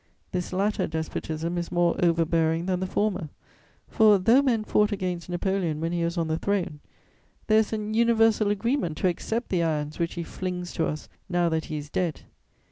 This latter despotism is more overbearing than the former; for, though men fought against Napoleon when he was on the throne, there is an universal agreement to accept the irons which he flings to us now that he is dead.